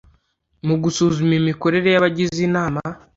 mu gusuzuma imikorere y abagize inama